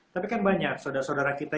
tapi kan banyak saudara saudara kita